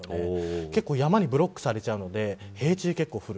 結構山にブロックされちゃうので平地に結構降る。